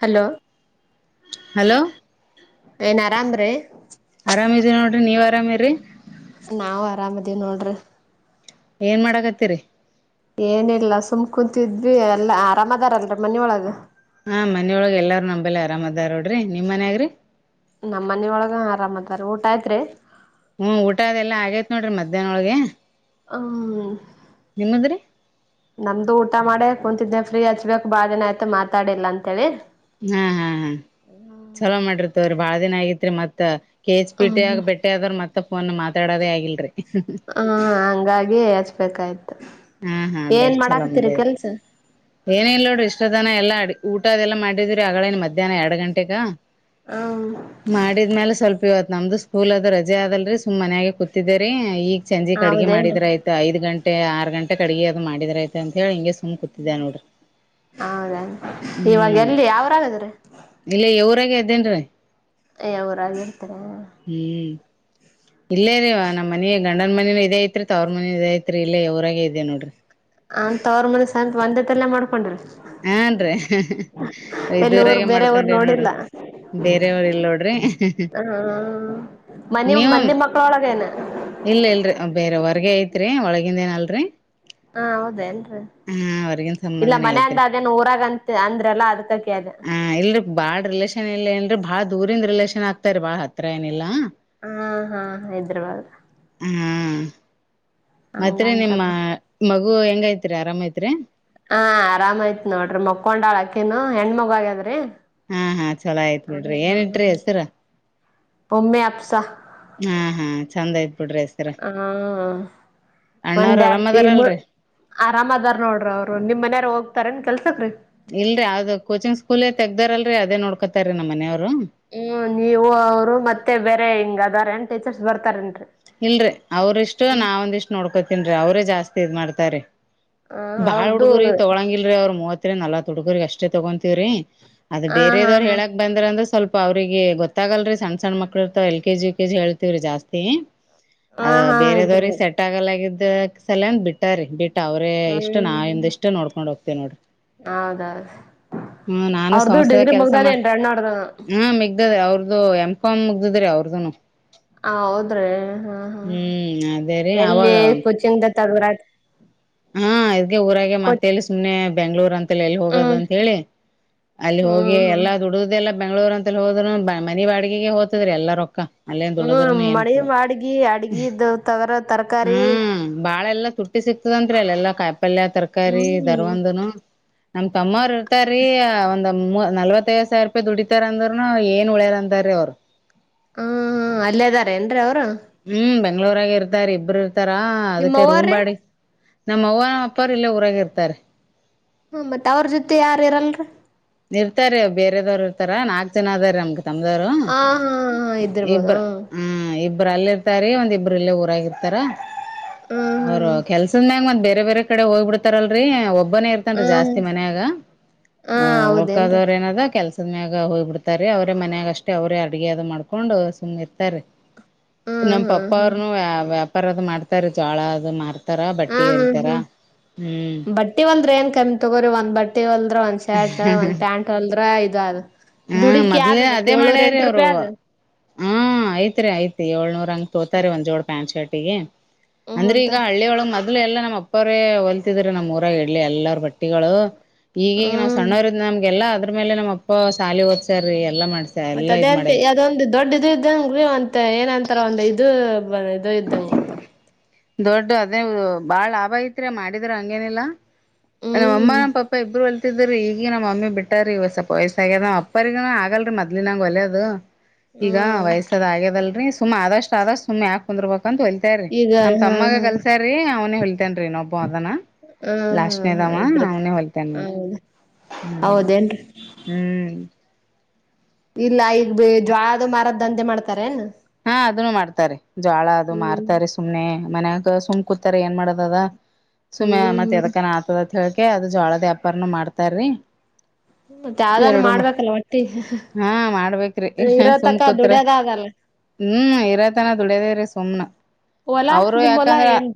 Hello hello ಏನ್ ಆರಾಮ್ರೀ ಅರಾಮಿದೀ ನೋಡ್ರಿ ನೀವ್ ಆರಾಮಿರಿ ನಾವು ಆರಾಮದೇವ್ ನೋಡ್ರಿ ಏನ್ ಮಾಡಕತ್ತೀರಿ. ಏನಿಲ್ಲ ಸುಮ್ ಕುಂತಿದ್ವಿ ಎಲ್ಲ ಆರಾಮದಾರಲ್ರಿ ಮನಿ ಒಳಗ ಹಾ ಮನೊಳಗೆ ಎಲ್ಲಾರ ನಮ್ಮಲ್ಲೇ ಆರಾಮದಾರ ನೋಡ್ರಿ ನಿಮ್ಮನಗ ರೀ ನಮ್ಮ ಮನೊಳಗ ಆರಾಮ್ತ್ತಾರ ಊಟ ಆಯ್ತ್ರಿ ಹ್ಮ್ ಊಟ ಅದೆಲ್ಲಾ ಆಗೈತ್ ನೋಡ್ರಿ ಮಧ್ಯಾಹ್ನೊಳಗೆ. ಹ್ಮ್ ನಿಮ್ಮದ್ರಿ ನಮ್ದು ಊಟ ಮಾಡೇ ಕುಂತಿದ್ದೆ ಫ್ರೀ ಹಚ್ಬೇಕ್ ಬಾಳ ದಿನ ಆಯ್ತು ಮಾತಾಡಿಲ್ಲ ಅಂತೇಳಿ ಹಾ ಹಾ ಹಾ ಚಲೋ ಮಾಡಿರ್ ಬಾಳ್ ದಿನ ಆಗೈತ್ರಿ ಮತ್ತ ಕೆೇಚ್ ಪಿಟೆ ಹ್ಮ್ ಆಗ ಬೆಟ್ಟೆ ಆದ್ರರು ಮತ್ತೆ ಫೋನ್ ಒತ್ತಡದೇ ಆಗಿಲ್ರರಿ ಹ ಹಂಗಾಗಿ ಹಚ್ಬೇಕಾಯ್ತು ಹಾ ಹಾ ಏನ್ ಬೆಸ್ ಚಲೋ ಮಾಡಾಕತ್ತೀರಿ ಮಾಡ್ಯರಿ ಕೆಲ್ಸ ಏನ ಇಲ್ ನೋಡ್ರಿ ಇಷ್ಟತನ ಎಲ್ಲಾ ಅಡಿಗೆ ಊಟ ಅದೆಲ್ಲ ಮಾಡಿದ್ರಿ ಅಗಳೇನ್ ಮಧ್ಯಾಹ್ನ ಎರಡು ಗಂಟೆಕ್ ಹ್ಮ್ ಮಾಡಿದ್ಮೇಲ ಸ್ವಲ್ಪ ಇವತ್ ನಮ್ದು ಸ್ಕೂಲ್ ಅದು ರಜೆ ಅದಲ್ರಿ ಸುಮ್ಮ್ ಮನ್ಯಾಗೆ ಕೂತಿದ್ದರಿ ಈಗ ಸಂಜಕ್ ಅಡುಗೆ ಹೌದೇನ್ರಿ ಮಾಡಿದ್ರ ಆಯ್ತು ಐದು ಗಂಟೆ ಆರು ಗಂಟೆ. ಕಡೆಗೆ ಅಡುಗೆ ಅದು ಮಾಡಿದ ಆಯ್ತಂತ ಹೌದ ಇವಾಗ ಹ್ಮ್ ಎಲ್ಲಿ ಯಾವ್ರಾಗದ್ರೆ ರಗೆ ಇದ್ದೇನ್ರೀ ಅಯ ಅವರಾಗಿರ್ತಾರೆ ಹ್ಮ್ ಇಲ್ಲೇದಿವ ನಮ್ಮ್ ಮನಿ ಗಂಡನ ಮನ ಇದೆ ಐತ್ರಿ ತವರ ಮನ ಇದ ಐತ್ರಿ ಇಲ್ಲೇ ಇವ್ರಾಗ ಇದೇ ನೋಡ್ರಿ ಅತ್ ಅವ್ರ ಮಂದ ಸ್ತ್ ಒಂದೇತ್ತಲ್ಲ ಮಾಡ್ಕೊಂಡ್ರಿ ಹನ್ರಿ ಎಲ್ಲಿ ಇದ್ದುರಾಗ ಊರ್ ಬೇರೆ ಊರ್ ಮಾಡ್ಕೊಂಡೇವ ನೋಡಿಲ್ಲ ನೋಡ್ರಿ ಬೇರೆ ಊರು ಇಲ್ ನೋಡ್ರಿ ಹ ಮನಿ ನೀವ ಮಂದಿ ಮಕ್ಳೊಳಗೇನ ಇಲ್ಲ ಇಲ್ರಿ ಬೇರೆ ಹೊರ್ಗೆ ಐತ್ರಿ ಒಳಗ ಇಂದೇ ನಲ್ರಿೀ [unintelligible] ಹಾ ಹೌದೇನ ರೀ ಹೊರ್ಗಿನ್ ಇಲ್ಲ ಸಂಬಂಧನೇ ಮನ ಅಂದ ಐತ್ರಿ ಅದೇನು ಊರಾಗಂತ ಅಂದ್ರೆಲ್ಲ ಅದ್ ಹ ಇಲ್ ಬಾಳ್ ರಿಲೇಷನ್ ಇಲ್ಲ ಏನ್ರಿ ಬಾಳ್ ದೂರಿಂದ್ ರಿಲೇಷನ್ ಆಗ್ತರಿ ಬಾಳ್ ಹತ್ರ ಏನಿಲ್ಲಾ ಹಾ ಹಾ ಹೈದ್ರಾಬಾದ ಹಾ ಮತ್ತೆ ಹಂಗಂದ್ರ ನಿಮ್ಮ ಮಗು ಹೆಂಗೈತ್ರಿ ಆರಾಮ ಐತ್ರಿ ಹ ಆರಾಮಾಯ್ತ್ ನೋಡ್ರಿ ಮಕ್ಕೊಂಡಾಳ ಅಕ್ಕನು ಹೆಣ್ಮಗಗದ್ರಿ ಹಾ ಹಾ ಚಲೋ ಆಯ್ತ್ ಬಿಡ್ರಿ ಏನಿದ್ರೂ ಹೆಸರ ಒಮ್ಮೆ ಅಪ್ಸಾ ಹಾ ಹಾ ಚಂದ ಆಯ್ತ ಹ ಅಣ್ಣವ್ರ ಒಂದ್ ಯ್ಶಾಡ್ ತಿಂಗುಳ್ ಆರಾಮದಾರಲ್ರರಿ ಆರಾಮ್ದಾರ ನೋಡ್ರಿ ಅವರು ನಿಮ್ ಮನೆಯಾರ ಹೋಗ್ತಾರ ಎನ್ ಕೆಲ್ಸಕ್ ಇಲ್ರೀ ಅದು ಕೋಚಿಂಗ್ ಸ್ಕೂಲ್ ತಗ್ದಾರಲ್ರಿ ಅದೇ ನೋಡ್ಕೋತಾರೀ ನಮ್ಮ ಮನೆಯವರು ಹ್ಮ್ ನೀವು ಅವರು ಮತ್ತೆ ಬೇರೆ ಹಿಂಗ ಅದ ಬೆಂಡ ಟೀಚರ್ಸ್ ಬರ್ತಾರೇನ್ರಿ ಇಲ್ರಿ ಅವ್ರ್ ಇಷ್ಟು ನಾವ್ ಒಂದಿಷ್ಟ್ ನೋಡ್ಕೋತನ್ರಿ ಅವ್ ಜಾಸ್ತಿ ಇದ್ ಮಾಡ್ತಾರೆ ಹ ಬಾಳ್ ಅವ್ರ್ದು ಹುಡ್ಗುರಿ ಹ ತೊಗೊಂಗಿಲ್ರರಿ ಅವ್ರ ಮೂವತ್ ಇ ನಲ್ಲ ತುಡುಕರಿಗೆ ಅಷ್ಟ ಅಷ್ಟೆ ತಗೊತೀವ್ರೀ ಅದು ಹಾ ಬೇರೆದವ್ ಹೇಳಾಕ್ ಹಾ ಬಂದ್ರ ಅಂದ್ರೆ ಸ್ವಲ್ಪ ಅವ್ರಿಗೆ ಗೊತ್ತಾಗಲ್ರಿ ಸಣ್ಣ ಸಣ್ಣ ಮಕ್ಳರ್ತ L K G U KG ಹೇಳ್ತವ್ರೀ ಜಾಸ್ತಿ ಹ ಅದ ಹಾ ಇದ್ರ ಬೇರೆದವ್ರಿಗೆ ಬ ಸೆಟ್ ಆಗಲಾಗಿದ್ ಸಲಂದ ಬಿಟ್ಟ ರ ಬಿಟ್ಟ [unintelligible] ಅವ್ರೇ ಇಷ್ಟ ನಾವ ಹ್ಮ್ ಇದ ಇಷ್ಟ ನೋಡ್ಕೊಂಡ್ ಹೋಗ್ತೇವಿ ನೋಡ್ರಿ ಹೌದೌದು ಹ್ಮ ನಾನು ಅವ್ರ್ದು ಸಂಸ್ಥೆದ ಡಿಗ್ರಿ ಕೆಲ್ಸ ಮಾಡ ಮುಗ್ದದೇನ್ರಿ ಅಣ್ಣವ್ರ್ದು ಹ ಮ ಗ್ದ ಅವ್ರ್ದು ಎಮ್ ಕಾಮ್ ಮುಗ್ದಿದ್ರೀ ಅವ್ರದನು [unintelligible] ಹೌದ್ರೆ ಹಾ ಹಾ ಹ್ಮ್ ಅದೇ ರೀ ಎಲ್ಲಿ ಅವಾಗ ಕುಚಿಂಗ ತಗದ್ರಯ್ತು ಹಾ ಇದ್ಗೆ ಊರಾಗೆ ಮತ್ತಲ್ಲಿ ಸುಮ್ನೆ ಬೆಂಗಳೂರ್ ಅಂತ [unintelligible] ಎಲ್ಲಿ ಹೋಗೋದ ಹ್ಮ್ ಅಂತ ಹೇಳಿ ಅಲ್ಲಿ ಹೋಗಿ ಹ್ಮ್ ಎಲ್ಲಾ ಹ್ಮ್ ದುಡದೆಲ್ಲ ಬೆಂಗಳೂರು ಅಂತ ಹೋದ್ ಮನೆ ಬಾಡಗಿಗೆ ಹೋತದ್ರರಿ ಎಲ್ಲ ರೊಕ್ಕ ಅಲ್ಲೇನ್ ಹ್ಮ ದುಡದ್ರನು ಏನ್ ಮಳೆ ಅಡ್ಗಿ ಅಡ್ಗ ತಗರ ತರಕಾರಿ [unintelligible] ತುಟ್ಟ ಸ [unintelligible] ಂರಿ ಅಲ್ಲ ಎಲ್ಲಾ ಕಾಯಿಪಲ್ಯ ತರಕಾರಿ ಧರ ಹ್ಮ್ ಒಂದುನು ನಮ್ ತಮ್ಮಾರ ಸರಿ ಒಂದ [unintelligible] ನಲ್ವತ್ತೈವ್ ಸಾವಿರ ರೂಪಾಯಿ ದುಡಿತಾರ ಅಂದ್ರರುನು ಏನ್ ಉಳ್ಯರ್ ಅಂತಾರ ಅವರು ಹ ಹಾ ಅಲ್ಲೇದಾರೆ ಏನ್ರೀ ಅವ್ರು ಹ್ಮ್ ಬ ಬೆಂಗ್ಗಳೂರಗ ಇರ್ತಾರಿ ಇಬ್ಬರು ತರಾ ನಿಮ್ಮ ಅದಕ್ಕೆ ಅವ್ವಾರ್ರೀ ರೂಂಬಾಡಿಗಿ ನಮ್ಮ ಅವ್ವ ನಮ್ಮ ಅಪ್ಪರು ಇಲ್ಲ ಊರಾಗ ಇರ್ತಾರೆ ಹ್ಮ ಮತ್ತತ್ ಅವ್ರ ಜೊತೆ ಯಾರು ಇರಲ್ರಿ ಇರ್ತಾರೆ ಬೇರರೆದವ್ ಇರ್ತಾರ ನಾಕಕ್ ಜನ ಅದಾರ ನಮ್ಗ ತಮ್ದವ್ರು ಹಾ ಹಾ ಹಾ ಇದ್ದಿರ್ಬೋದು ಇಬ್ಬರು ಅಲ್ಲಿ ಇರ್ತಾರೆ ಒಂದ್ ಇಬ್ಬರುಲಿ ಊರಾಗಿ ಇರ್ತಾರ ಅವರ ಹ್ಮ್ ಕೆಲ್ಸದ ಮ್ಯಾಗ ಮತ್ತ ಬೇರೆ ಬೇರೆ ಕಡೆ ಹೋಗ್ ಬಿಡ್ತಾರಲ್ರಿ ಒ ಒಬ್ಬನೇ ಇರ್ತನರಿ ಹ್ಮ್ ಜಾಸ್ತಿ ಹ್ಮ್ ಮನ್ಯಾಗ ಹಾ ಹ ಹೌದೇನ್ರಿ ಉಳಳ್ಕದವ್ರ ಏನದ ಕೆಲ್ಸ ಸುಮ್ಯಾಗ ಹೋಗ್ ಬಿಡ್ತಾರೀ ಅವ್ರೇ ಮನ್ಯಾಗ ಅಷ್ಟೇ ಅವರೇ ಅಡಗೆ ಅದು ಮಾಡ್ಕೊಂಡು ಸುಮ್ಮ್ ಇತಾರೀ ಹ್ಮ್ ನಮ್ಮ್ ಹ್ಮ್ ಪಪ್ಪ ಹ್ಮ್ ಅವ್ರನು ಪರದು ಮಾಡತಾರೆ ಜೋಳ ಅದು ಮಾರ್ತಾರ ಹಾ ಬಟ್ಟಿ ಹ್ಮ್ ಹೊಲಿತಾರ ಹ್ಮ ಹ್ಮ್ ಬಟ್ಟಿ ಒಂದ್ರ ಏನ್ ಕಮ್ಮಿ ತಗೋ್ರಿ ಒಂದ್ ಬಟ್ಟಿ ತೆವಲ್ ಒಂದ್ ಶರ್ಟ್ ಒಂದ್ ಪ್ಯಾಂಟ್ ಹೋಲದ್ರ ಆಯ್ತ ಗಾರ ಹ್ಮ ಮೊದ್ಲೆೇ ಅದೇ ಮಾಡ್ಯಾರ ಅವ್ರು ರೂಪಾಯಿ ಆದ ಹ ಐ್ತ್ ರರಿ ಐ್ತ್ ಏಳ್ನೂರ ಹಂಗ ತೋತಾರೆ ಒಂದ್ ಜೋಡ ಪ್ಯಾಂಟ್ ಶರ್ಟ್ ಪಿಗೆ ಹ್ಮ ಅಂದ್ರೆ ಮತ್ತ ಈಗ ಹಳ್ಳಿಯ ಒಳಗ್ ಮ ಅದ್ ಎಲ್ಲ ನಮ್ಮಪ್ಪರೇ ಹೊಲ್ತಿದ್ರ ನಮ್ಮ ಊರಾಗ ಇಲ್ಲಿ ಎಲ್ಲಾರ ಬಟ್ಟಿ ಗಳು ಈಗೀಗ ನಾವ್ ಹ್ಮ್ ಸಣ್ಣವರ ನಮ್ಗೆಲ್ಲಾ ಅದ್ರ ಮೇಲೆ ನಮ್ಮಪ್ಪ ಖಾಲಿ ಓದಸೆರಾ ಎಲ್ಲ ಮಾಡ್ಸ ಎಲ್ಲಾ ಇದ ಮಾಡೆ ದೊಡ್ಡದು ಇದ್ದಂಗೆ ಮ ಏನಂತರ ಒಂದು ಇದು ಇದು ಇದೀಗಆಗುತ್ತೆ ದೊಡ್ಡ ಅದೇ ಬಾಳ ಲಾಭ ಐತ್ರಿ ಮಾಡಿದ್ರ ಹಂಗೇನಿಲ್ಲಾ ನ ಹ್ಮ್ ಅಮ್ಮಾನ ಪಾಪಾ ಇಬ್ಬರುಲ್ ಿದ್ರೀ ಈಗ ನಮ್ಮ ಮಮ್ಮಿ ಬಿಟ್ಟಾರೀ ಸ್ವಲ್ಪ ವಯಸ್ಸಾಗ್ಯದ್ ಅಪ್ಪರಿಗೂ ಆಗಲ್ರಿೀ ಮದ್ಲಿನಂಗ ಒಲೆಯದು ಈಗ ಹ್ಮ್ ವಯಸ್ಸಾದ್ ಆಗ್ಯದಲ್ರಿ ಸುಮ್ಮ್ ಆದಷ್ಟ ಆದಷ್ಟು ಸುಮ್ ಯಾಕ್ ಕುಂದರಬೇಕು ಬಂದ ಹೊಲತ್ತರಿ ಈಗ ನಮ್ ಹಾ ತಮ್ಮಗ ಹಾ ಕಲ್ಸಾರ್ರೀ ಅವ್ನ ಹೇತೇನ್ ರೀ ಒಬ್ಬ ಆ ಹಾ ಹಾ ಹಾ ಲಾಸ್ಟ್ನದವ ಇದ್ರ ಬ ಅವನೇ ಹೋಲಿತಾನ ನೋಡ್ರಿ ಹೌದ ಹ್ಮ ಹೌದೇನ್ರಿ ಹ್ಮ್ ಇಲ್ಲ ಈಗ ಜ್ವಾಳದು ಮಾರದ್ದಂತೆ ಮಾಡ್ತಾರ ಏನ್ ಹಾ ಅದನ್ನು ಮಾಡ್ತಾರೆ ಜೋಳ ಅದು ಹ್ಮ್ ಮಾರ್ತಾರೆ ಸುಮ್ನೆ ಮನ್ಯಗ ಸುಮ್ ಕುತ್ತರ ಏನ್ ಮಾಡದ ಅದ ಸುಮ್ಮ್ ಹ್ಮ್ ಮಾತ್ಯದಕಾನ ಹೇಳಕೇ, ಅದು ಜೋಳದ, ವ್ಯಾಪಾರನ ಮಾಡ್ತಾರ್ರಿ. [inaudible] ಮತ್ತೆ, ಯಾವ್ದಾನೂ, ಮಾಡ್ಬೇಕಲ್ಲ! ಹೊಟ್ಟೆಗೆ ಹಾ ಮಾಡ್ಬೇಕ್ರಿ ಇರೋ, ಸುಮ್ ತಕ ಕೂತ್ರ ದುಡ್ಯದ ಆಗಲ್ಲ. [unintelligible] ಹ್ಮ್, ಇರತನ ದುಡ್ಯದೇರೀ! ಸುಮ್ನ ಹೊಲ ಅವರು ನಿಮ್ ಹೊಲ ಯಾಕಂದ್ರ, ಏನ್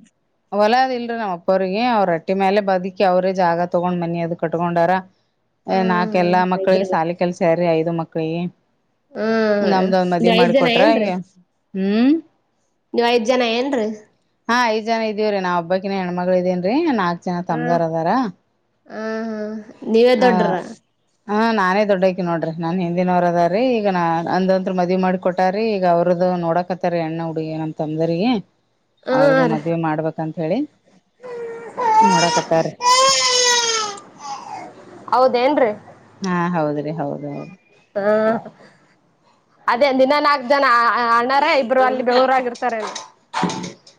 ಹೊಲದ. [inaudible] ಇಲ್ರೀ, ನಮ್ಮಪ್ಪ್ರಿಗೆ ಅವ್ರ ರಟ್ಟಿ ಮೇಲೆ ಬದುಕಿ ಅವ್ರೇ ಜಾಗ ತಗೊಂಡ್, ಮನಿ ಅದು ಕಟ್ಕೊಂಡಾರ. [inaudible] ನಾಕು, ಎಲ್ಲಾ ಹ್ಮ್ ಮಕ್ಳಿಗೆ ಶಾಲಿ ಕೆಲಸಾ, ಯಾರೂರೀ ಹೈದು, ಮಕ್ಳ. [inaudible] ಕೈಯಿ. [inaudible] ಹ್ಮ್ಮ್, ಹೈ. [inaudible] ಏನುರೀ. [inaudible] ಹ್ಮ್... [inaudible] ನೀವ್, ಐದ್ ಜನ ಏನ್ರಿ. [inaudible] ಹಾ, ಐದ್ ಜನ ಇದೀವಿರಿ, ನಾವುಬಕ್ಕಿ, ಹೆಣ್ಮ ಮಗಳು, ಇದೇನ್ರಿ, ಹ.. [inaudible] ಹತ್ತು, ಜನ, ಹ ತಮಾಂಧರು, ಅದಾರ, ಹ ಹ ನೀವೇ ಆ. ದೊಡ್ಡ್ರ [inaudible] ಹಾ, ನಾನೇ ದೊಡ್ಡಕಿ. ನೋಡ್ರಿ ನಾನ್ ಹಿಂದಿನವರದ ರೀ ಈಗ ನಾ ಅಂದಂತ್ರು, ಮದ್ವಿ ಮಾಡಿ, ಕೊಟ್ಟ. [inaudible] ಒಟ್ಟಾರಿ ಈಗ ಅವ್ರದದು, ನೋಡಕತ್ತಾರಿ, ಅಣ್ಣ ಹುಡುಗಿ, ನಮ ತ್ತಮನಡ್ರಿಗೆ. [inaudible] ಹ್ಮ ಅವ್ರಿಗೂ, ರೀ ಮದ್ವೆ ಮಾಡ್ಬೇಕಂತ! ಹೇಳಿ ನೋಡಕತ್ತಾರಿ. [inaudible] ಹೌದೇ, ಏನ್ ರೀ.? [inaudible] ಹಾ, ಹೌದ್ರಿ, ಹೌದ, ಹೌದು. [inaudible] ಹಾ, ಅದೇಂದಿನ, ನಾಗ. [inaudible] ಅದೇನ, ಅಣ್ಣ. [inaudible] ಇಬ್ರು, ಅಲ್ಲಿ, ಬೆಂಗಳೂರು, ಹಾಗೇರುತ್ತಾರೆ, ರಿ. [unintelligible]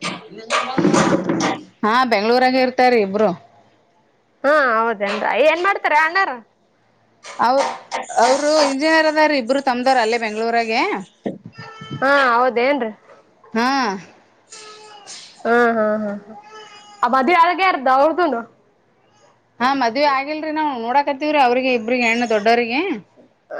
ಹಾ, ಬೆಂಗಳೂರಾಗ, ಇರ್ತಾರೀ ಇಬ್ರು. [unintelligible] ಹಾ, ಹೌದೇನ್, ಏನ್ ಮಾಡ್ತಾರ, ಅಣ್ಣಾವಾರು. [inaudible] ಅವ್ರ, ಅವರು ಇಂಜಿನಿಯರ್, ಅದಾರ ಇಬ್ರು ತಮ್ದಾರ ಅಲ್ಲೇ? [inaudible] ಬೆಂಗಳೂರು. [inaudible] ಹಾ, ಹೌದೇ, ಏನ್ರಿ. ಹಾ [unintelligible] ಹ್ಮ್, ಹ್ಮ್, ಹ್ಮ್, ಹ ಆ ಮದುವೆಳಗಾರ್ದ ಅವ್ರದುನು. [unintelligible] ಹಾ, ಮದುವೆ, ಆಗಿಲ್ರಿ, ನಾವು. [unintelligible] ನೋಡಾಕತಿವ್ರೀ, ಅವ್ರಿಗೆ, ಇಬ್ರಿಗೆ, ಹೆಣ್ಣು, ದೊಡ್ಡವರಿಗೆ. [inaudible]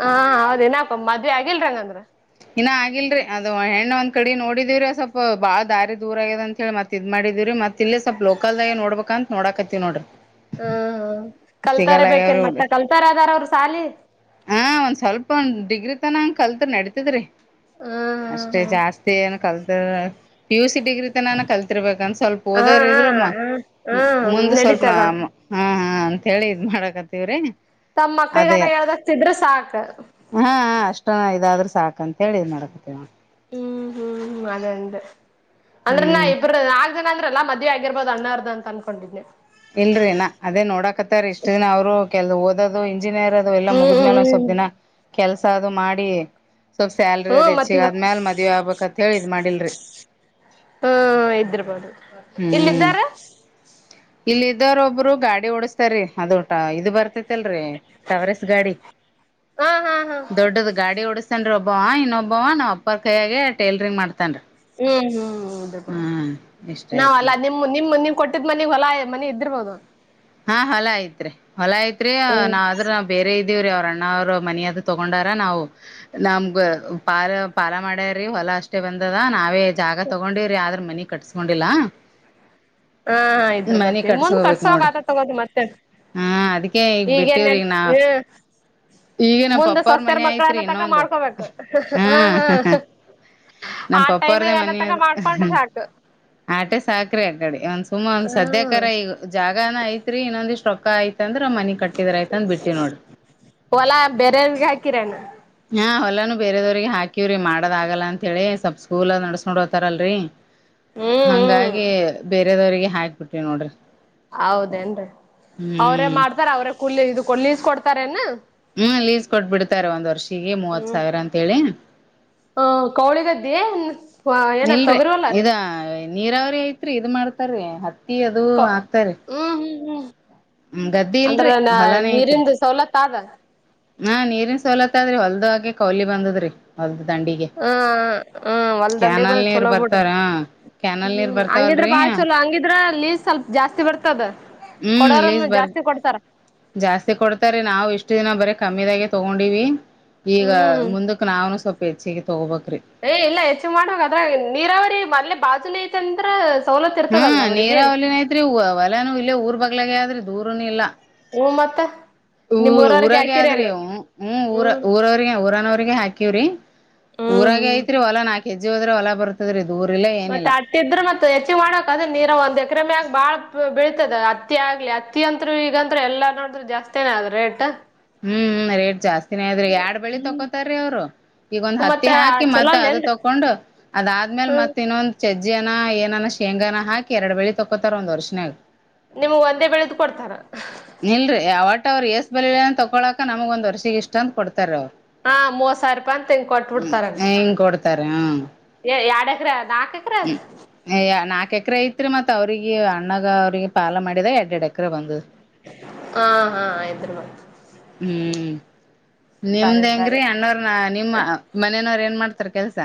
ಹಾ, ಹೌದನಾ, ಮದ್ವೆ ಆಗಿಲ್ಲಾರಿ, ಹ್ಯಾಂಗೆಂದರೆ. [inaudible] ಇನ್ನ ಆಗಿಲ್ರಿ, ಅದು ಹೆಣ್ಣು, ಒಂದ್ ಕಡೆ ನೋಡಿದೀವ್ರೀ! ಸ್ವಲ್ಪ ಬಾಳ ದಾರಿ ದೂರ ಆಗದೇ, ಅಂತ ಹೇಳಿ, ಮತ್ ಇದ್ ಮಾಡಿದೀವಿರಿ! ಮತ್ ಇಲ್ಲಿ ಸ್ವಲ್ಪ್ ಲೋಕಲ್ದಾಗ ನೋಡ್ಬೇಕ, ಅಂತ ನೋಡಾಕತ್ತವ ನೋಡ್ರಿ. [inaudible] ಹ್ಮ, ಕಲ್ತಾರ ಸಿಗಲ್ಲ ಆಗ್ಯಾವ್ರಿ ಬೇಕೆನ್ ಹುಡ್ರಿ ಮತ್ತ ಕಲ್ತಾರ ಅದಾರ ಅವ್ರ, ಸಾಲಿ. [inaudible] ಹಾ ಒಂದ್ ಸ್ವಲ್ಪ ಒಂದು, ಡಿಗ್ರಿ, ತನ, ಕಲ್ತ್, ನಾಡಿ. [inaudible] ಹೇಳಿದ್ರಿ. ಹಾ [inaudible] ಅಷ್ಟೇ, ಜಾಸ್ತಿ, ಏನ್ ಕಲ್ತ. [inaudible] ಹ. [inaudible] P, U, C. ಡಿಗ್ರಿ ತನಕ, ಕಲಿತ್ರುಬೇಕು, ಸ್ವಲ್ಪ ಹಾ ಹಾ ಓದೋದ್ರು ಹಾ ಹ್ಮ್ ಮುಂದ್, ಸ್ವಲ್ಪ, ನ, ನಡೀತದ ಹ. [inaudible] ಹಾ ಅಂತ ಹೇಳಿ ಇದ್ ಮಾಡಕಂತ್ವ್ರೀ ತಮ್ಮ್ ಮಕ್ಳಿಗನ ಎಳಸ್ತಿದ್ರೆ ಸಾಕ. ಕಂತ್ ಹೇಳಿ ಏನ್ ಮಾಡಾಕತ್ತಿವ ಹ್ಮ್ ಹ್ಮ್ [unintelligible] ಅಂದ್ರೆನ್ನ ಹ್ಮ್ ಇಬ್ರರ್ ನಾ. ಅಂದ್ರಲ ಮದ್ಯ ಆಗಿರ್ಬೋದು ಅಣ್ಣ ಅವರ್ದು ಅನ್ಕೊಂಡಿದ್ನೆ. ಇಲ್ರರಿನಾ ಅದೇ ನೋಡಾಕತ್ತಾರೆ ಇಷ್ಟ ದಿನ ಅವ್ರು ಕೆಲವ್ ಓದದು. ಇಂಜಿನಿಯರ್ ಅದು ಎಲ್ಲ ಹ್ಮ್ ಹ್ಮ್ ಮುಗಿದ್ಮೇಲೆ ಒಂದ ಸ್ವಲ್ಪ್ ಹ್ಮ್ ದಿನ ಕೆಲ್ಸ ಅದು ಮಾಡಿ. ಸ್ವಲ್ಪ ಸ್ಯಾಲ್ರಿ ಅದ್ ಹ್ಮ್ ಮತ್ತೆ ಹೆಚ್ಚಿಗೆ ಆದ್ಮ್ಯಾಲ ಮದ್ವೆ ಆಗ್ಬೇಕತ್ ಹೇಳಿ ಇದ್ ಮಾಡಿಲ್ರಿ ಹ್ಮ ಇದರ್ಬೋದು ಹ್ಮ್ ಇಲ್ಲ್ದಾರೆ ಇಲ್ಲಿ ಇದ್ರ ಒಬ್ರು ಗಾಡಿ ಓಡಸ್ತಾರೆ ಅದು. ಇದು ಬರ್ತೇತಿಲ್ರರಿ ಟವರಸ್ ಗಾಡಿ ಹಾ ಹಾ ಹಾ ದೊಡ್ಡದ ಗಾಡಿ ಓಡಸ್ತೇನ್ ರಿ ಒಬ್ಬ ಒಬ್ಬ ಇನ್ನೊಬ್ಬವ ನಾವು ಅಪ್ಪರ್ ಕೈಯೆ ಟೇಲರಿಂಗ್ ಮಾಡ್ತನ್ ರೀ. ಹ್ಮ್ ಹ್ಮ್. ಇಷ್ಟ ಆಯ್ತ್ ನಾವಲ್ಲ ನೋಡ್ ನಿಮ್ ನಿಮ್ ನಿಮ್. ಕೊಟ್ಟಿದ್ ಮನಗ್ ಹೊಲ ಮನೆ ಇದ್ದಿರ್ಬಹದು ಹಾ ಹೊಲೈತ್ರಿ. ಹೊಲ ಐತ್ರಿ ಹ್ಮ್ ನಾವ್ರ [unintelligible] ಬೇರೆ ಇದ್. ಇವ್ರೇ ಅವ್ರ ಅಣ್ಣ ಅವ್ರು ಮನಿ ಅದು ತಗೊಂಡಾರ ನಾವು. ನಮ್ಗೆ ಪಾರ ಪಾಲ ಮಾಡ್ಯ್ರೀ ಹೊಲ ಅಷ್ಟೇ ಬಂದದ ನಾವೇ ಜಾಗ ತಗೊಂಡಿವವ್ರಿ ಆದ್ರ ಮನಿ ಕಟ್ಸ್ಕೊಂಡಿಲ್ಲಾ ಹಾ ಹ ಇದ್ರು ಬರ್ತೀವಿ ಮುಂದ್ ಕಟ್ಸ್ಕೋಬೇಕ್ ಕತ್ಸೋವಾಗ ನೋಡ್ರಿ ಆಟಡ್. ದು ಮತ್ತೆ ಹಾ ಅದಕ್ಕೆ ಈಗ ಈಗೇನ್ ಬಿಟ್ಟಿವ್ರಿ ನಾ ನಡೀತ್ತ್ [unintelligible] ಈಗ ನಮ್ ಮುಂದೆ ಪಪ್ಪ ಅವ್ರ ಸಸ್ತರ್ ಮನೆ ಐತ್ರಿ ಮಕ್ಳನ್ನ ತಕ ಇನ್ನೊಂದು ಮಾಡ್ಕೊಬೇಕು ಹಾ ಹ ಹ ನಮ್ ಆ ಪಪ್ಪ ಅವ್ರದೇ ಟೈಮಿಂಗ್ ಅನ್ನ ಮನಿ ತಕ ಅದು ಮಾಡ್ಕೊಂಡು ಸಾಕು. [unintelligible] ಸುಮ ಒಂದ ಹಾ ಸದ್ಯಕ ಈಗ ಜಾಗನ ಆಯ್ತು. ಎಷ್ಟ್ ರೊಕ್ಕ ಆಯಿತ್ ಹೊಲ ಬೇರೆಯವಿಗೆ ಹಾಕಿರೇನ. ಹಾ ಹೊಲ್ಲಾನೂ ಬೇರದವ್ರಿಗೆ ಹಾಕಿವವ್ರಿ ಮಾಡದ ಆಗಲ್ಲ ಅಂತೇಳಿ ಸ್ವಪ್ ಸ್ಕೂಲ್ ಅ ನಡಸ್ ನೋಡ್ ಹತಾರಲ್ರರಿ. ಹ್ಮ್ ಹ್ಮ್ ಹಂಗಾಗಗೆ ಬೇ. ಬರೆವ್ರರಿಗೆ ಹಾಕ್ಬ ಬಿಟ್ಟವಿ ನೋಡ್ರಿ. ಹೌದೇನ್ರಿ ಅವರೇ ಹ್ಮ್ ಮಾಡ್ತಾರ ಅವ್ರ. ಕೊಲ್ಲಿ ಇದು ಕೊಲ್ಲಿಸ ಕೊಡ್ತಾರೇನ. ಹ್ಮು ಲೀಸ್ ಕೊಟ್ಬಿಡ್ತಾರೆ ಒಂದ ವರ್ಷ. ಪಿಗೆ ಮೂವತ್ತ್ ಹ್ಮ್ ಸಾವಿರ ಅಂತೇಳಿ ಹ ಕೌಳಿಗದ್ದೆ ಏನಸ್. ವಾ ಏನ ಅದ್ ಇಲ್ರಿ ತೊಗರಿವಲ್ಲಾರೀ. ಇದ ನೀರಾವರಿ ಐತ್ರಿ ಇದನ್ ಮಾಡ್ತಾರೀ ಹತ್ತ ಹತ್ತಿ ಅದು ಹಾಕ್ತಾರಿ. ಹ್ಮು ಹ್ಮ್ ಗದ್ದಿ ಇಲ್ರಿ ಅಂದ್ರನ ಹೊಲಾನೇ ಐತ್ರಿ ನೀರಿಂದ ಸವಲತ್ತ್ ಆದ್. ಹಾ ನೀರಿನ ಸವಲತ್ ಅದ್ರಿ ಹೊಲ್ದಾಗೆ ಕೌಲಿ ಬಂದದ್ರಿ ಹೌದ್ರಿ. ಅ ಅ ಒಲ್ ದಂಡಿಗ್ ಕ್ಯಾನಲ್ ಬಂದ ನೀರ್ ಚಲೋ ಬಿಡ್ರಿ ಬರ್ತಾರ ಕ್ಯಾನಲ್ ಹ್ಮು ನೀರ್ ಹಂಗಿದ್ರ ಬರ್ತಾವಲ್ರಿ ಬಾ ಚಲೋ ಹಂಗಿದ್ರ ಲ್ಲಿ ಸ್ವಲ್ಪ ಜಾಸ್ತಿ ಬರ್ತದ. ಹ್ಮು ಲೀಸ್ ಕೊಡೋರನ್ನು ಬರ್ ಜಾಸ್ತಿ ಕೊಡ್ತಾರ ಜಾಸ್ತಿ ಕೊಡ್ತಾರೆ ನಾವು ಇಷ್ಟು ದಿನ ಬರೆ ಕಮ್ಮಿದಾಗೆ ತಗೊಂಡಿವಿ ಕಾ ಈಗ ಹ್ಮ್ ಮುಂದಕ್ಕ ನಾವುನು ಸ್ವಲ್ಪ ಪೆನ್ಸಿಗೆ ತಗೋಬೇಕ. ಏ ಇಲ್ಲ ಹೆಚ್ಚು ಮಾಡಾ ಅದ್ರಾಗ್ ಏನ್ ನೀರಾವರಿ ಅಲ್ಲೇ ಬಾಜುನ ಐತಿ ಅಂದ್ರ ಸವಲತ್ ಹ್ಮು ಇರ್ತದಲ್ಲ ಅವ್ರಿಗೇನ್ ನೀರಾವಲಿನು ಐತ್ರಿ ವ ವಲೆನು ಇಲ್ಲೇ ಊರ್ ಬಗ್ಲಾಗ ಅದ. ದೂರನು ಇಲ್ಲ. ಹು ಮತ್ತ್. ಊ ಊರಾಗೆ ಆದ್ರೇ ಹು ಹು ಊರ ಹ್ಮ್ ಊರಾವ್ರಿಗೆ ಊರಾನವ್ರಿಗೆ ಹಾಕಿ ಕಿವ್ರಿ ಹ್ಮ್ ಊರಾಗೆ ಐತ್ರಿ ಹೋಲ ನಾಕ ಕೆಜ್ಜಿ ಹೋದ್ರ ಹೊಲ ಬರ್ತದ್ರಿದ್. ಮತ್ತ ಅಟ್ಟಿದ್ರ ಮತ್ತ ಹೆಚ್ಚಿ ಮಾಡಕ್ ಅದನ್ ನೀರ್ ಒಂದ್ ಎಕರೆ ಮ್ಯಾಗ್ ಬಾಳ್ ಬೆಳಿ ತ್ತದ ಅತ್ತಿ ಆಗ್ಲಿ ಅತ್ತಿ ಅಂತ್ರು ಈಗಂತ್ರು ಎಲ್ಲಾ ನೋಡಿದ್ರ ಜಾಸ್ತನೇ ಅದ ರೇಟ್. ಹ್ಮು ಹ್ಮು ರೇಟ್ ಜಾಸ್ [unintelligible] ಯಾಡ್ ಬೆಳಿ ತಕೋತಾರೀ ಅವ್ರು ಈಗೊಂದು ಹತ್ತಿ ಮತ್ತೆ ಹಾಕಿ ಚಲೋ ಮತ್ತ ಅದು ಅಲ್ಲೇನ್ರಿ ತಕೊಂಡು ಅದಾದ್ಮೇಲ್ ಹ್ಮ್ ಮತ್ತ ಇನ್ನೊಂದ ಚಜ್ಜಿಯನ ಏನನ ಶೇಂಗಾನ ಹಾಕಿ ಎರಡು ಬೆಳಿ ತಕೋತಾರ ಒಂದ್ ವರ್ಷನ್ಯಾಗ. ನಿಮ್ಗ್ ಒಂದೇ ಬೆಳೆದು ಕೊಡ್ತಾರ. ವಟ್ಟ್ ಅವರ ಎಷ್ಟ್ ಬೆಳೆಯನ್ನ ತಕ್ಕೋತಾ ಪಳಕ ನಮಗ ಒಂದ ವರ್ಷಿಗೆ ಇಷ್ಟ ಅಂತ ಕೊಡ್ ಹಾ ಮೂವತ್ತ್ ಸಾವಿರ ರೂಪಾಯಿ ಇಂತ ಅಂತ ಹ್ಮ್ ಕೊಟ್ಬಿಡ್ತಾರ ಹಂಗ್ ಹಿಂಗ್ ಕೊಡ್ತಾರೆ ಹ್ಮ್ ಯಾಡ್ ಎಕ್ರೆ ಅದ್ ನಾಕ ಎಕ್ರೆ ಅದ್. ಎಕ್ರೆ ಐತ್ರಿ ಮತ್ತ್ ಅವ್ರಿಗೆ ಅಣ್ಣಗ ಅವ್ರಿಗೆ ಪಾಲ ಮಾಡಿದ ಯಾಡ್ ಯಾಡ್ ಎಕರೆ ಬಂದದ. ಹಾ ಹಾ ಆತರೀ ನ ಹ್ಮ್ ನಿಮ್ದ್ ಸರಿ ಹೆಂಗ್ರೀ ಅಣ್ಣೋರನ ನಿಮ್ಮ ಮನೇನವ್ರ ಏನ್ ಮಾಡ್ತಾರ ಕೆಲ್ಸ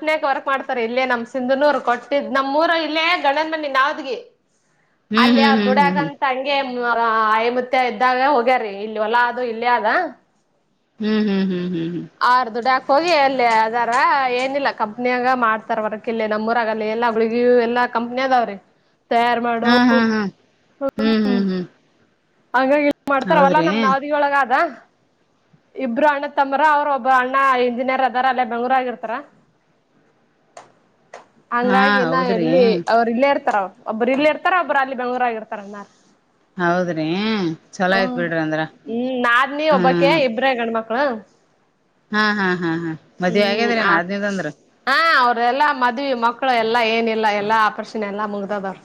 ಕನ ವರ್ಕ್ ಮಾಡ್ತಾರೆ ಇಲ್ಲೇ ನಮ್ ಸಿಂಧುನೂರ್ ಕೊಟ್ಟಿದ್ದ್ ನಮ್ಮೂರ ಇಲ್ಲೇ ಗಂಡನ್ ಮನಿ ನಾವದಗಿ ಹ್ಮ್ ಅಲ್ಲಿ ಹ್ಮ್ ಅವ್ರ ಹ್ಮ್ ಹ್ಮ್ ದುಡ್ಯಗಂತ ಹ್ಮ್ ಹಂಗೆ ಆಯಿಮುತ್ತ ಇದ್ದಾಗ ಹೋಗ್ಯಾರೀ ಇ ಹೊಲಾ ಆದೂ ಇಲ್ಲೇ ಆದ ಹ್ಮ್ ಹ್ಮ್ ಹ್ಮ್ ಹ್ಮ್ ಹ್ಮ್ ದುಡ್ಯಾಕ್ ಹೋಗಿ ಅಲ್ಲಿ ಅದಾರ ಏನಿಲ್ಲ ಕಂಪ್ನಿಯಾಗ ಮಾಡ್ತಾರ ವರ್ಕ್ ಇಲ್ಲಿ ನಮ್ಮೂರಾಗಲ್ಲಿ ಎಲ್ಲಾ ಗುಳಗಿಯೂ ಎಲ್ಲಾ ಕಂಪ್ನಿದಾವ್ರೀ ಹ್ಮ್ ಹ್ಮ್ ಹ್ಮ ಹ್ಮ್ ಹ್ಮ್ ಹ್ಮ್ ಹಾಗಾಗಿ ಮಾಡ್ತಾರ ಹೂಲ ಹೌದ್ರಿ ನಮ್ ನಾವದಿವಳಗ ಅದ ಇಬ್ರು ಅಣ್ಣ ತಮ್ಮ್ರ ಅವ್ರ ಒಬ್ಬ ಅಣ್ಣ ಇಂಜಿನಿಯರ್ ಅದಾರ ಅಲ್ಲೇ ಬೆಂಗ್ಳೂರ್ ಇರರ್ತಾರ ಹಾ ಹಂಗಾಗಿನ ಹೌದ್ರಿ ಎಲ್ಲಿ ಅವರು ಇಲ್ಲೇ ಇರ್ತಾರ ಒಬ್ಬರು ಇಲ್ಲಿ ಇರ್ತಾರ ಒಬ್ರು ಅಲ್ಲಿ ಬೆಂಗಳೂರ ಆಗ ಇರ್ತಾರ ಅಣ್ಣಾರ ಹೌದ್ರೀ ಹ ಹ್ಮ್ ನಾದನಿ ಒಬ್ಬಕ ಹ್ಮ್ ಇಬ್ರ ಗಂಡ್ಮಕ್ಳ ಹಾ ಹಾ ಹಾ ಹಾ ಮದ್ವಿ ಹ್ಮ್ ಆಗಾದ್ರನಿ ಆ ನಾದ್ನಿ ಅಂದ್ರ ಹಾ ಅವ್ರೆಲ್ಲಾ ಮದ್ವಿ ಮಕ್ಕಳು ಎಲ್ಲಾ ಏನಿಲ್ಲ ಎಲ್ಲಾ ಅಪರಷನ್ ಎಲ್ಲಾ ಮುಗ್ದದವ್ರ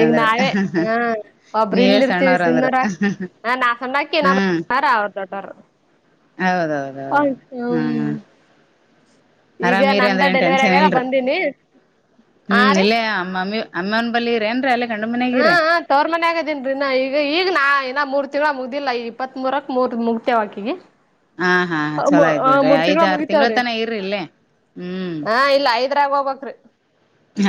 ಈಗ ನಾವೇ ಹ ಒಬ್ರ ನೀವೇ ಇಲ್ ಇರ್ತೀವಿ ಸಣ್ಣವ್ರಂದ್ರ ಸಿಂಧನೂರು ನಾ ಸಣಾಕಿ ಹ್ಮ್ ನಾರ ಅವ್ರ ದೊಡ್ಡರು ಹೌದೌದೌದು ಹ್ಮ ಆರಾಮಿರಿ ಅಂದ್ರೆ ಏನ್ ಟೆನ್ಷನ್ ಆಗ್ಯದ ಇಲ್ರಿ ಬಂದೀನಿ ಹಾ ಹ್ಮ್ ರೀ ಇಲ್ಲೇ ಅಮ್ಮಮ್ಮಿ ಅಮ್ಮನ್ ಬಲಿ ಇರನ್ರೀ ಅಲ್ಲ ಹಾ ತವರ್ ಮನೆ ಆಗದನ್ರಿ ನಾ ಈಗ ಈಗ ನಾ ನ ಮೂರ್ ತಿಂಗಳ ಮುಗ್ದಿಲ್ಲ ಈ ಇಪ್ಪತ್ ಮೂರಕ್ ಮೂರ್ ಮುಗತವಕಿಗೆ ಹಾ ಹಾ ಚಲೋ ಇದ್ ಬಿಡ್ರಿ ಐದ್ ಆರು ತಿಂಗಳು ಮುಗಿತೇವ್ರಿ ತನ ಇರರ್ಲ್ಲೇ ಹ್ಮ್ ಐದರಾಗ ಹೋಗಬೇಕು ರೀ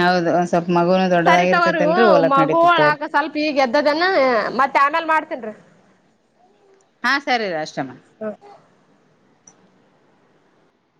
ಹೌದು ಸ್ವಲ್ಪ ಮಗುನು ಸರಿತವ್ರ ದೊಡ್ಡದಾಗಿರ್ತೈತಲ್ರರಿ ಓಲಕ್ ಮಗು ನಡೀತತ್ ತೋರಿ ಆಕ ಸ್ವಲ್ಪ ಈಗ ಎದ್ದದನ್ನ ಮತ್ತೆ ಆಮೇಲ್ ಮಾಡ್ತನ್ರಿ ಹಾ ಸರಿ ರ ಅಷ್ಟಮ ಹ